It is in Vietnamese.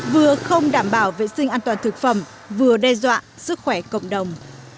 vừa không đảm bảo vệ sinh an toàn thực phẩm vừa đe dọa sức khỏe cộng đồng